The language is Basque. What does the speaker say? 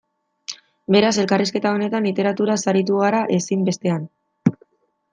Beraz, elkarrizketa honetan, literaturaz aritu gara ezinbestean.